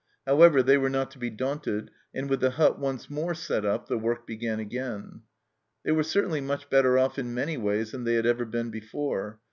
However, they were not to be daunted, and with the hut once more set up the work began again. They were certainly much better off in many ways than they had ever been before.